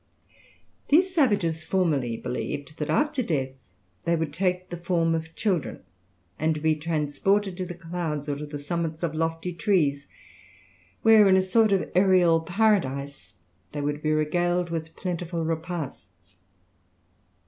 These savages formerly believed that after death they would take the form of children, and be transported to the clouds or to the summits of lofty trees, where, in a sort of aërial paradise, they would be regaled with plentiful repasts.